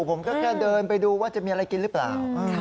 ผมก็แค่เดินไปดูว่าจะมีอะไรกินหรือเปล่า